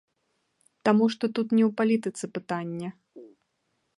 Таму што тут не ў палітыцы пытанне.